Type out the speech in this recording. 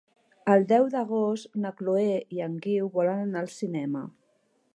El deu d'agost na Chloé i en Guiu volen anar al cinema.